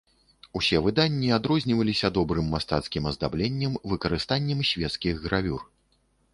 Усе выданні адрозніваліся добрым мастацкім аздабленнем, выкарыстаннем свецкіх гравюр.